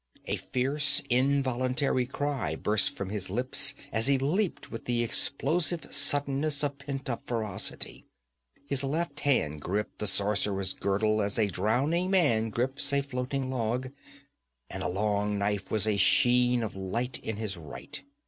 A fierce, involuntary cry burst from his lips as he leaped with the explosive suddenness of pent up ferocity. His left hand gripped the sorcerer's girdle as a drowning man grips a floating log, and the long knife was a sheen of light in his right.